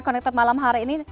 konektor malam hari ini